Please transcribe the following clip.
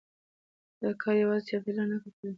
دا کار يوازي چاپېريال نه ککړوي،